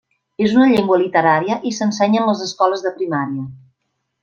És una llengua literària i s'ensenya en les escoles de primària.